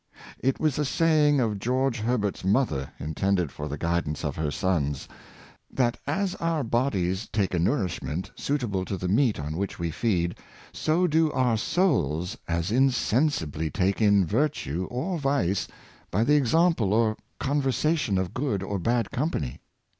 It was a saying of George Herbert's mother, intended for the guidance of her sons, " that as our bodies take a nourishment suitable to the meat on which we feed, so do our souls as insensibly take in virtue or vice by the example or conversation of good or bad company."